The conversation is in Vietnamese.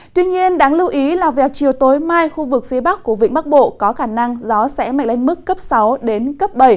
tuy nhiên đáng lưu ý là về chiều tối mai khu vực phía bắc của vĩnh bắc bộ có khả năng gió sẽ mạnh lên mức cấp sáu đến cấp bảy